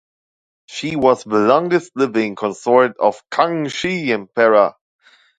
She was the longest living consort of Kangxi Emperor.